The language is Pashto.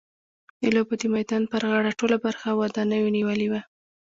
د لوبو د میدان پر غاړه ټوله برخه ودانیو نیولې وه.